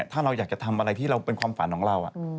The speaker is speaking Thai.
ถ้าเราอยากจะทำอะไรที่เราเป็นความฝันของเรา